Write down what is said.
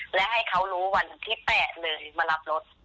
และให้เขารู้วันที่๘เลยมารับรถ